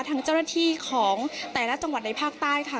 ทางเจ้าหน้าที่ของแต่ละจังหวัดในภาคใต้ค่ะ